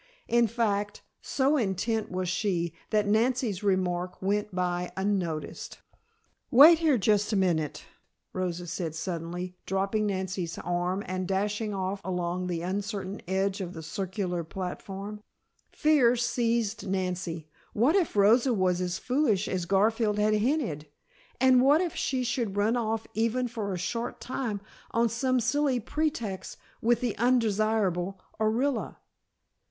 In fact, so intent was she, that Nancy's remark went by unnoticed. "Wait here just a minute," Rosa said suddenly, dropping Nancy's arm and dashing off along the uncertain edge of the circular platform. Fear seized Nancy! What if Rosa was as foolish as Garfield had hinted, and what if she should run off even for a short time on some silly pretext with the undesirable Orilla?